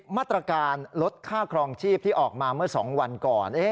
มาตรการลดค่าครองชีพที่ออกมาเมื่อ๒วันก่อน